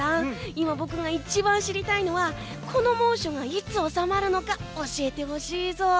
今僕が一番知りたいのはこの猛暑がいつ収まるのか教えてほしいぞ。